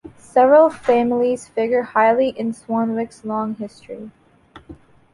Several families figure highly in Swanwick's long history.